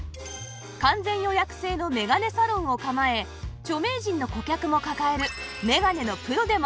完全予約制のメガネサロンを構え著名人の顧客も抱えるメガネのプロでもあるんです